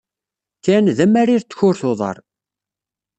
Ken d amarir n tkurt n uḍar.